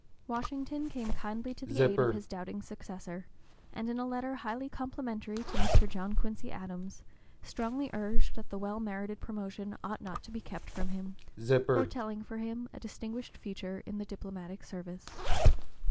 Washington came kindly to the aid of his doubting successor, and in a letter highly complimentary to Mr. John Quincy Adams strongly urged that well merited promotion ought not to be kept from him, (p. 024) foretelling for him a distinguished future in the diplomatic service.